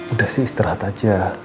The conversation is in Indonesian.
udah sih istirahat aja